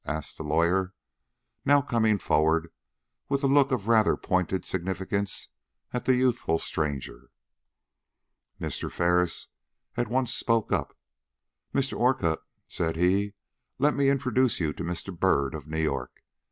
asked the lawyer, now coming forward with a look of rather pointed significance at the youthful stranger. Mr. Ferris at once spoke up. "Mr. Orcutt," said he, "let me introduce to you Mr. Byrd, of New York.